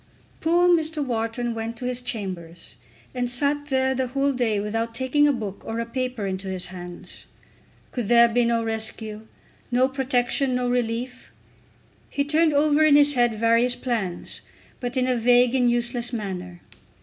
Poor Mr. Wharton went to his chambers, and sat there the whole day without taking a book or a paper into his hands. Could there be no rescue, no protection, no relief! He turned over in his head various plans, but in a vague and useless manner.